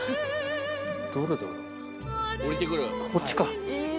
こっちか！